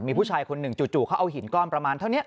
มีผู้ชายคนหนึ่งจู่เขาเอาหินก้อนประมาณเท่านี้